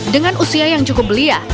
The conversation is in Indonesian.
dengan usia yang cukup belia